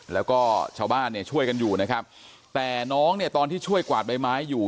แล้วก็ชาวบ้านเนี่ยช่วยกันอยู่นะครับแต่น้องเนี่ยตอนที่ช่วยกวาดใบไม้อยู่